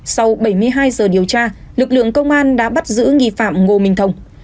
sau bảy mươi hai giờ điều tra lực lượng công an đã bắt giữ nghi phạm ngô minh thông